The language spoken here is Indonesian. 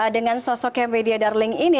dengan sosoknya media darling ini